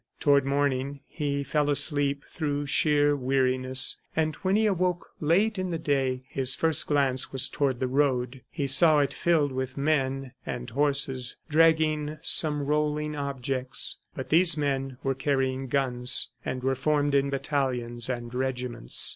Toward morning he fell asleep through sheer weariness, and when he awoke late in the day his first glance was toward the road. He saw it filled with men and horses dragging some rolling objects. But these men were carrying guns and were formed in battalions and regiments.